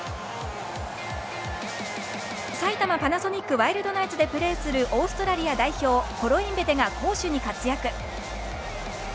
埼玉パナソニックワイルドナイツでプレーするオーストラリア代表コロインベテが攻守に活躍。